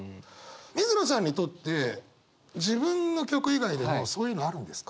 水野さんにとって自分の曲以外でもそういうのあるんですか？